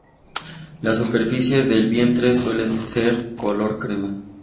La superficie del vientre suele ser color crema.